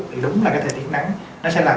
thì đúng là cái thời tiết nắng nó sẽ làm